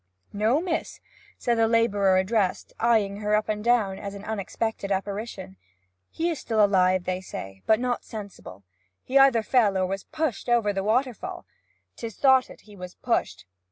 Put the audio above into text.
'No, miss,' said the labourer addressed, eyeing her up and down as an unexpected apparition. 'He is still alive, they say, but not sensible. He either fell or was pushed over the waterfall; 'tis thoughted he was pushed.